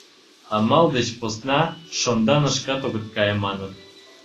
Амал деч посна шонданышкат огыт кае, маныт...